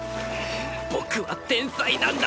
僕は天才なんだ